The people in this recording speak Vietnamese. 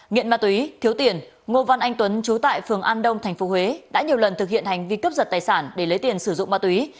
nghiện ma túy thiếu tiền ngô văn anh tuấn trú tại phường an đông tp huế đã nhiều lần thực hiện hành vi cướp giật tài sản để lấy tiền sử dụng ma túy